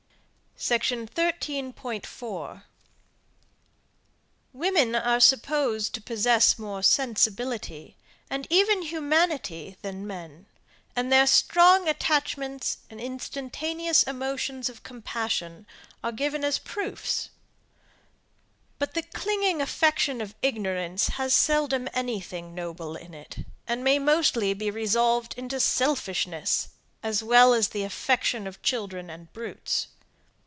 SECTION 13.4. Women are supposed to possess more sensibility, and even humanity, than men, and their strong attachments and instantaneous emotions of compassion are given as proofs; but the clinging affection of ignorance has seldom any thing noble in it, and may mostly be resolved into selfishness, as well as the affection of children and brutes.